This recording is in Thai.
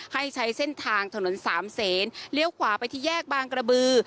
ให้ใช้เส้นทางถนนสามเศษเลี้ยวขวาไปที่แยกบางกระบือ